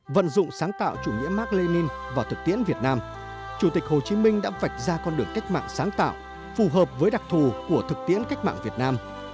vận dụng sáng tạo chủ nghĩa mark lenin vào thực tiễn việt nam chủ tịch hồ chí minh đã vạch ra con đường cách mạng sáng tạo phù hợp với đặc thù của thực tiễn cách mạng việt nam